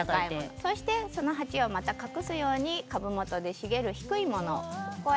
そしてその鉢をまた隠すように株元に茂る背の低いもの。